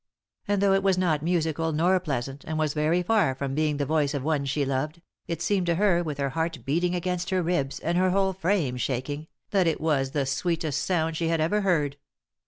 And though it was not musical, nor pleasant, and was very far from being the voice of one she loved, it seemed to her, with her heart beating against her ribs, and her whole frame shaking, that it was the sweetest sound she had ever 19a 3i 9 iii^d by Google THE INTERRUPTED KISS heard.